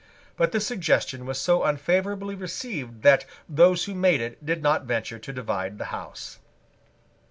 But this suggestion was so unfavourably received that those who made it did not venture to divide the House.